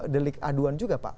delik aduan juga pak